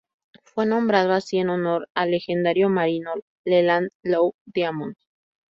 Fue nombrado así en honor al legendario marino Leland "Lou" Diamond.